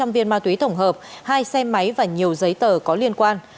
ba mươi sáu sáu trăm linh viên ma túy thổng hợp hai xe máy và nhiều giấy tờ có liên quan